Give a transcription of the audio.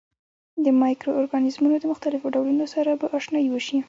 د مایکرو ارګانیزمونو د مختلفو ډولونو سره به آشنايي وشي.